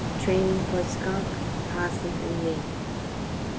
TRAINING FOR SKUNK, OPOSSUM AND MINK.